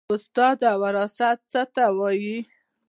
استاده وراثت څه ته وایي